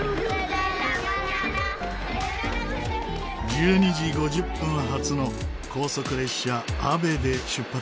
１２時５０分発の高速列車ＡＶＥで出発します。